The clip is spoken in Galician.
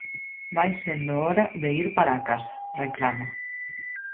"Vai sendo hora de ir para a casa", reclama.